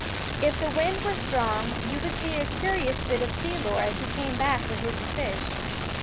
If the wind were strong, you would see a curious bit of sea lore as he came back with his fish.